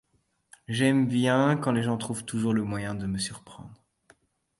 J'aime bien quand les gens trouvent toujours le moyen de me surprendre.